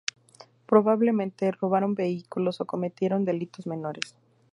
Probablemente robaron vehículos o cometieron delitos menores.